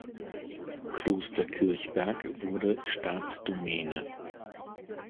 Kloster Kirchberg wurde Staatsdomäne.